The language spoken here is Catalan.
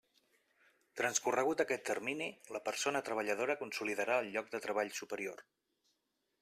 Transcorregut aquest termini, la persona treballadora consolidarà el lloc de treball superior.